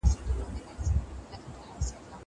ليکلي پاڼي د زده کوونکي له خوا ترتيب کيږي!!